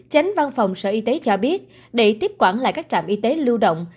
chánh văn phòng sở y tế cho biết để tiếp quản lại các trạm y tế lưu động